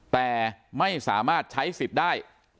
แต่ไม่สามารถใช้สิทธิ์ได้